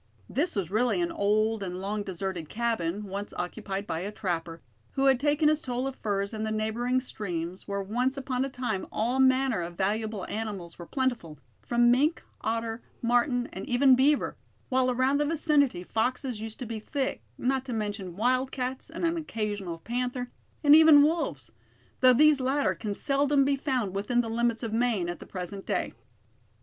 This was really an old and long deserted cabin, once occupied by a trapper, who had taken his toll of furs in the neighboring streams where once upon a time all manner of valuable animals were plentiful, from mink, otter, marten, and even beaver; while around the vicinity foxes used to be thick, not to mention wildcats, an occasional panther, and even wolves; though these latter can seldom be found within the limits of Maine at the present day.